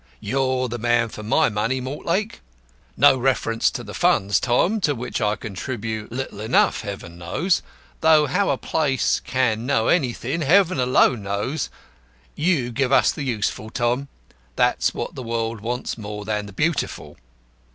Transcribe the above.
You're the man for my money, Mortlake. No reference to the funds, Tom, to which I contribute little enough, Heaven knows; though how a place can know anything, Heaven alone knows. You give us the Useful, Tom; that's what the world wants more than the Beautiful."